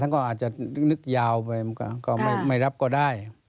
ก็อาจจะนึกยาวไปมันก็ไม่รับก็ได้